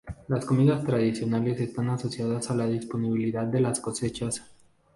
Las comidas tradicionales están asociadas a la disponibilidad de las cosechas.